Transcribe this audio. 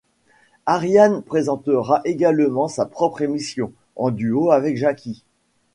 Ariane présentera également sa propre émission, en duo avec Jacky.